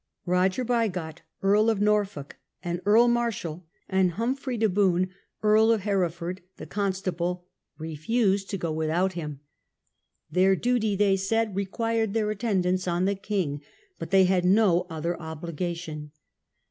Roger Bigot, Earl of Norfolk and Earl Mar shal, and Humfrey de Bohun, Earl of Hereford, the Con stable, refused to go without him. Their duty, they said, required their attendance on the king; but they had no other obligation.